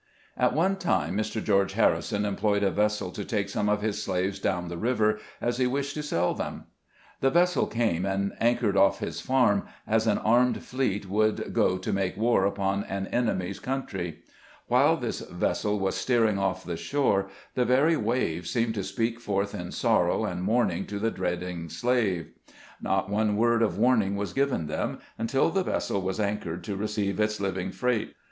|T one time, Mr. George Harrison employed a vessel to take some of his slaves down the river, as he wished to sell them. The vessel came, and anchored off his farm, as an armed fleet would go to make war upon an enemy's coun try. While this vessel was steering off the shore, the very waves seemed to speak forth in sorrow and mourning to the dreading slave. Not one word of warning was given them, until the vessel was anchored to receive its living freight.